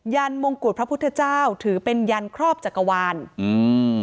ันมงกุฎพระพุทธเจ้าถือเป็นยันครอบจักรวาลอืม